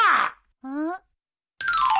うん？